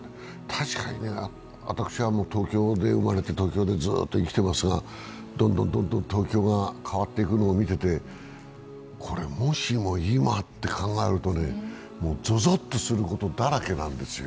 確かに私は東京で生まれて東京でずーっと生きてますがどんどんどんどん東京が変わっていくのを見ていて、これ、もしも今って考えるとぞぞっとすることだらけなんですよ。